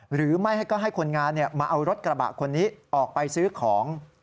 หรือไม่ให้ก็ให้คนงานมาเอารถกระบะคนนี้ออกไปซื้อของ